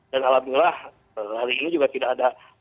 dan alhamdulillah hari ini juga tidak ada